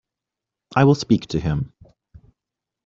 I will speak to him.